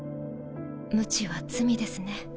無知は罪ですね。